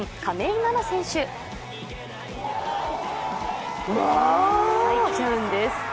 入っちゃうんです。